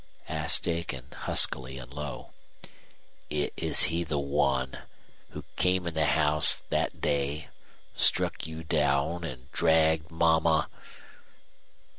asked Aiken, huskily and low. "Is he the one who came in the house that day struck you down and dragged mama